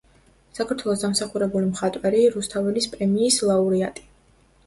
საქართველოს დამსახურებული მხატვარი, რუსთაველის პრემიის ლაურეატი.